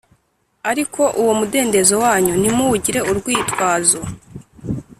Ariko uwo mudendezo wanyu ntimuwugire urwitwazo